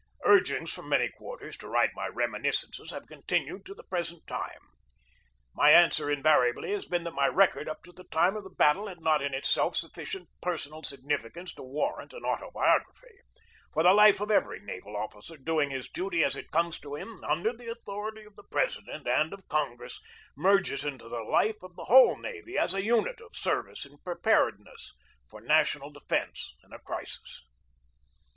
Urgings from many quarters to write my reminiscences have continued vi PREFACE to the present time. My answer invariably has been that my record up to the time of the battle had not in itself sufficient personal significance to warrant an autobiography; for the life of every naval officer doing his duty as it comes to him, under the author ity of the President and of Congress, merges into the life of the whole navy as a unit of service in preparedness for national defence in a crisis.